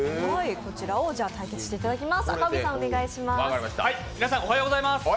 こちらを対決していただきます。